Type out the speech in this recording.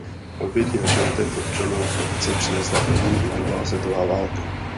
Oběti na životech občanů obce přinesla první i druhá světová válka.